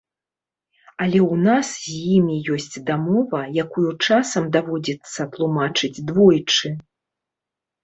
Але ў нас з імі ёсць дамова, якую часам даводзіцца тлумачыць двойчы.